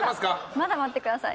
まだ待ってください。